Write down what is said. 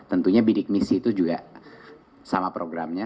tentunya bidik misi itu juga sama programnya